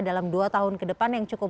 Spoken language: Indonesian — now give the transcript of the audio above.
dalam dua tahun kedepan yang cukup